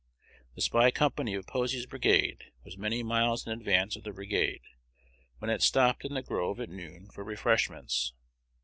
The spy company of Posey's brigade was many miles in advance of the brigade, when it stopped in the grove at noon for refreshments.